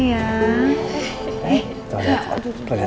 tengok lihat siapa